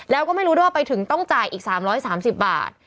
แล้วก็ไม่รู้ด้วยว่าไปถึงต้องจ่ายอีก๓๓๐บาท